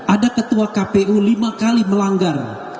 ada ketua kpu lima kali melanggar